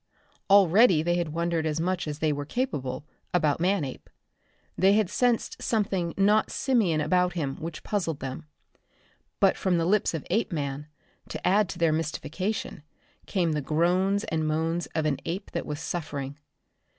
Already they had wondered as much as they were capable, about Manape. They had sensed something not simian about him which puzzled them. But from the lips of Apeman, to add to their mystification, came the groans and moans of an ape that was suffering.